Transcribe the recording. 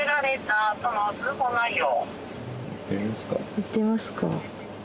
行ってみますか。